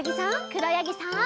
くろやぎさん。